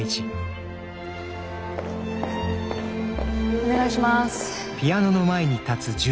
お願いします。